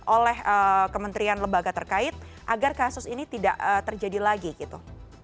oleh kementerian lembaga terkait agar kasus ini tidak terjadi lagi gitu